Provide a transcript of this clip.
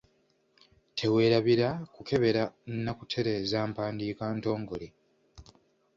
Teweerabira kukebera na kutereeza mpandiika ntongole.